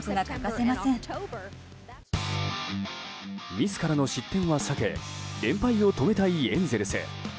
ミスからの失点は避け連敗を止めたいエンゼルス。